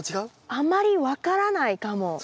あまり分からないかも。